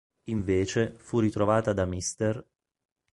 Invece, fu ritrovata da Mr.